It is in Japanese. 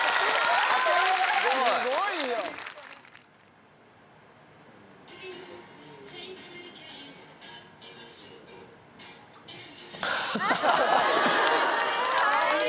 すごい！かわいい。